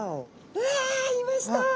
うわいました。